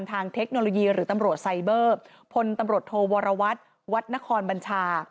เทคโนโลยีหรือตำรวจไซเบอร์พลตำรวจโทวรวัตรวัดนครบัญชา